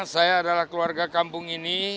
saya adalah keluarga kampung ini